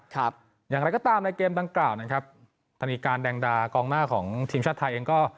ครับอย่างไรก็ตามในเกมดังกล่าวนะครับธนีการแดงดากองหน้าของทีมชาติไทยเองก็